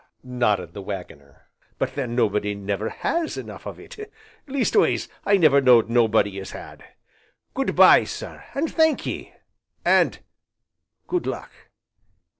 nodded the Waggoner, "but then nobody never has enough of it, leastways, I never knowed nobody as had. Good bye, sir! and thankee, and good luck!"